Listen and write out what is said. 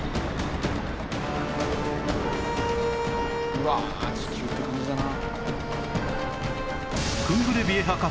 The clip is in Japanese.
うわ地球って感じだな。